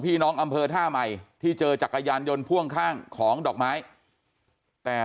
อำเภอท่าใหม่ที่เจอจักรยานยนต์พ่วงข้างของดอกไม้แต่